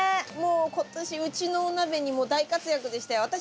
もう今年うちのお鍋にも大活躍でしたよ。